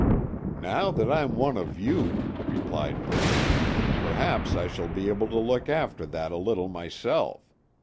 "Now that I'm one of you," replied Braine, "perhaps I shall be able to look after that a little myself.